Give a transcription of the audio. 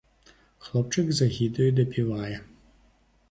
Хлопчык з агідаю дапівае.